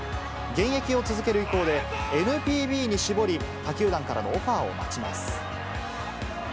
現役を続ける意向で、ＮＰＢに絞り、他球団からのオファーを待ちます。